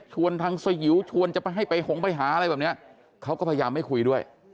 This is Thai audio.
ทางสยิวชวนจะไปให้ไปหงไปหาอะไรแบบนี้เขาก็พยายามไม่คุยด้วย